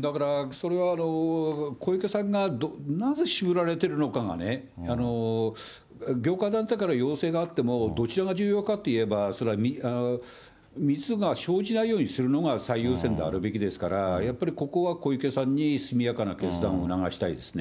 だからそれは、小池さんがなぜ渋られてるのかがね、業界団体から要請があっても、どちらが重要かといえば、それは密が生じないようにするのが最優先であるべきですから、やっぱりここは小池さんに速やかな決断を促したいですね。